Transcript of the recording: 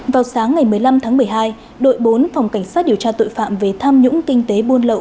vào sáng ngày một mươi năm tháng một mươi hai đội bốn phòng cảnh sát điều tra tội phạm về tham nhũng kinh tế buôn lậu